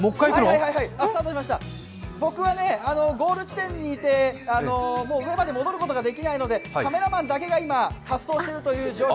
僕はゴール地点にいて上まで戻ることができないのでカメラマンだけが今滑走しています。